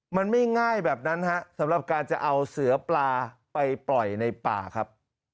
มันไม่ง่ายแบบนั้นฮะสำหรับการจะเอาเสือปลาไปปล่อยในป่าครับ